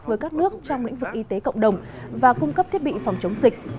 với các nước trong lĩnh vực y tế cộng đồng và cung cấp thiết bị phòng chống dịch